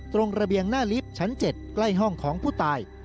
ระเบียงหน้าลิฟท์ชั้น๗ใกล้ห้องของผู้ตาย